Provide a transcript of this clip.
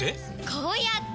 こうやって！